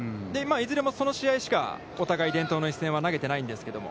いずれもその試合しかお互い伝統の一戦は投げてないんですけれども。